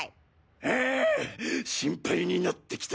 ハァッ心配になってきた。